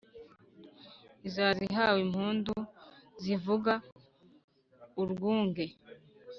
izaza ihawe impundu zivuga urwunge.